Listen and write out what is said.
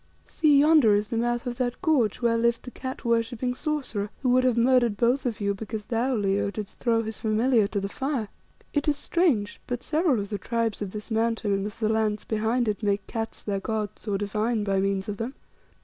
"See, yonder is the mouth of that gorge where lived the cat worshipping sorcerer, who would have murdered both of you because thou, Leo, didst throw his familiar to the fire. It is strange, but several of the tribes of this Mountain and of the lands behind it make cats their gods or divine by means of them.